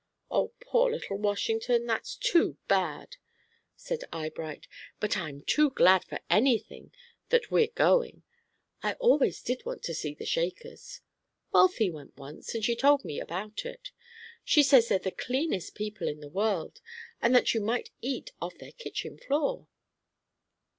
"Oh, poor little Washington, that's too bad," said Eyebright, "but I'm too glad for any thing that we're going. I always did want to see the Shakers. Wealthy went once, and she told me about it. She says they're the cleanest people in the world, and that you might eat off their kitchen floor."